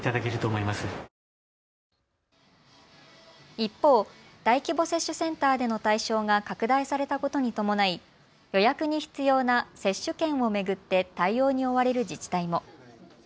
一方、大規模接種センターでの対象が拡大されたことに伴い予約に必要な接種券を巡って対応に追われる自治体も。